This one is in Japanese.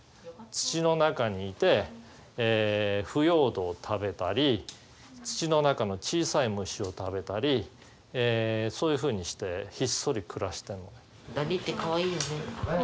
土の中にいて腐葉土を食べたり土の中の小さい虫を食べたりそういうふうにしてひっそり暮らしてんのね。